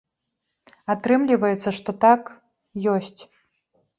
Атрымліваецца, што так, ёсць.